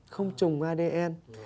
không trùng adn